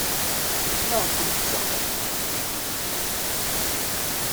Maɣef ur d-tteqqalen ara?